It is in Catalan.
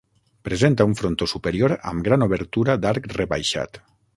Presenta un frontó superior amb gran obertura d'arc rebaixat.